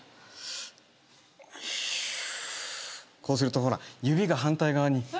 こうするとほら指が反対側に。